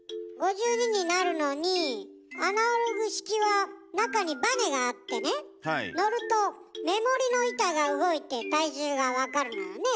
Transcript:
５２になるのにアナログ式は中にバネがあってね乗ると目盛りの板が動いて体重が分かるのよね。